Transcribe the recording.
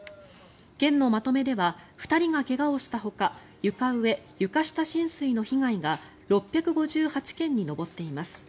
県のまとめでは２人が怪我をしたほか床上・床下浸水の被害が６５８軒に上っています。